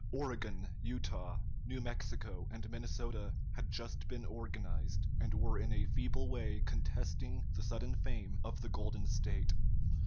Oregon, Utah, New Mexico, and Minnesota had just been organized, and were in a feeble way contesting the sudden fame of the Golden State.